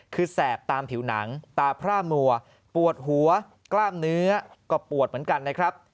คือแสบตามผิวหนังตาพร่ามัวปวดหัวกล้ามเนื้อก็ปวดเหมือนกันนะครับ